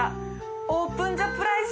オープンザプライス！